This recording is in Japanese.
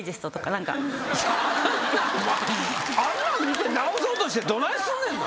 あんなん見て直そうとしてどないすんねんな。